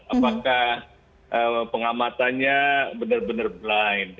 apakah pengamatannya benar benar blind